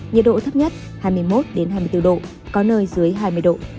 nhiệt độ thấp nhất hai mươi một hai mươi bốn độ có nơi dưới hai mươi độ